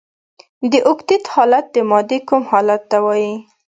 د اوکتیت حالت د مادې کوم حال ته وايي؟